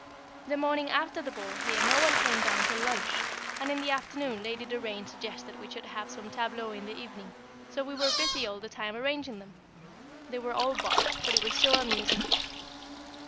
The morning after the ball here no one came down till lunch, and in the afternoon Lady Doraine suggested we should have some tableaux in the evening, and so we were busy all the time arranging them. They were all bosh; but it was so amusing.